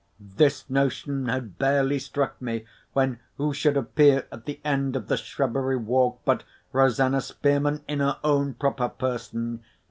This notion had barely struck me—when who should appear at the end of the shrubbery walk but Rosanna Spearman in her own proper person!